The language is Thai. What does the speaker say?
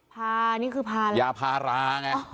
พานี่คือพายาพาราไง